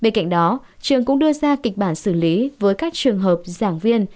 bên cạnh đó trường cũng đưa ra kịch bản xử lý với các trường hợp giảng viên